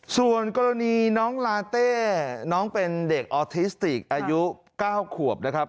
ส่วนกรณีน้องลาเต้น้องเป็นเด็กออทิสติกอายุ๙ขวบนะครับ